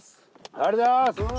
ありがとうございます！